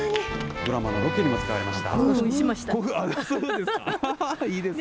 ドラマのロケにも使われました。